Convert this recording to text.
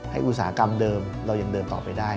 อุตสาหกรรมเดิมเรายังเดินต่อไปได้